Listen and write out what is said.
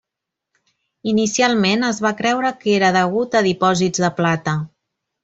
Inicialment es va creure que era degut a dipòsits de plata.